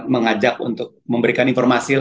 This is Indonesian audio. mengajak untuk memberikan informasi